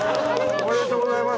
ありがとうございます。